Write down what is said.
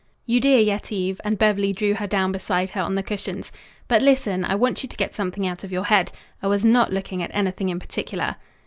"You dear Yetive," and Beverly drew her down beside her on the cushions. "But, listen: I want you to get something out of your head. I was not looking at anything in particular."